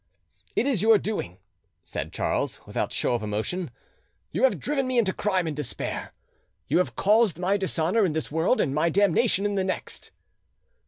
"It is your doing," said Charles, without show of emotion: "you have driven me into crime and despair; you have caused my dishonour in this world and my damnation in the next."